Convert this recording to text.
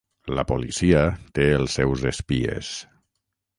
La policia té els seus espies.